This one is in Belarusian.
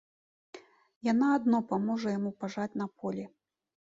Яна адно паможа яму пажаць на полі.